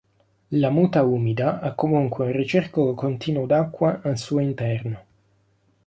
La muta umida ha comunque un ricircolo continuo d'acqua al suo interno.